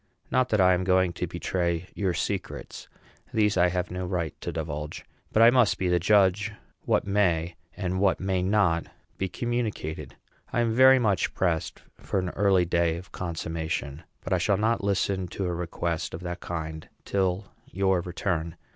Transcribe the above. Not that I am going to betray your secrets; these I have no right to divulge; but I must be the judge what may, and what may not, be communicated. I am very much pressed for an early day of consummation; but I shall not listen to a request of that kind till your return.